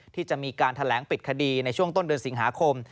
ที่จะมีการแถลงปิดคดีในช่วงต้นเดือนสิงหาคม